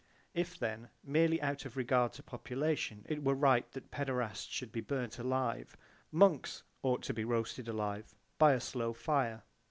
If then merely out of regard to population it were right that paederasts should be burnt alive monks ought to be roasted alive by a slow fire.